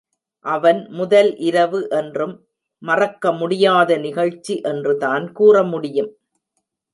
அவன் முதல் இரவு என்றும் மறக்க முடியாத நிகழ்ச்சி என்றுதான் கூற முடியும்.